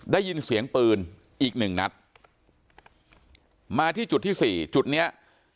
ได้ยินเสียงปืนอีกหนึ่งนัดมาที่จุดที่สี่จุดเนี้ย